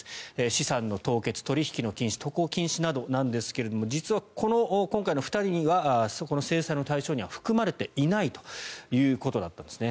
資産の凍結、取引の禁止渡航禁止などなんですが実は、今回の２人は制裁の対象には含まれていないということだったんです。